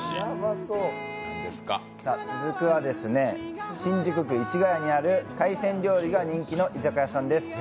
つず久は新宿区市ヶ谷にある海鮮料理が人気の居酒屋さんです。